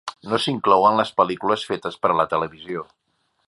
No s'inclouen les pel·lícules fetes per a la televisió.